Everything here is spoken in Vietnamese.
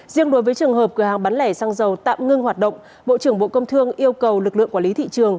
riêng đối với trường hợp cửa hàng bán lẻ xăng dầu tạm ngưng hoạt động bộ trưởng bộ công thương yêu cầu lực lượng quản lý thị trường